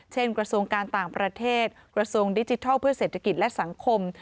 กระทรวงการต่างประเทศกระทรวงดิจิทัลเพื่อเศรษฐกิจและสังคม